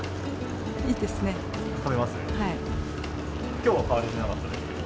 きょうは買われてなかったですけど。